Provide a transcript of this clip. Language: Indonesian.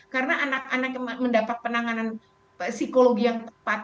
karena anak anak yang mendapat penanganan psikologi yang tepat